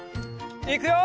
いくよ！